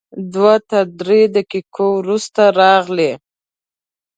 دوه تر درې دقیقې وروسته راغی.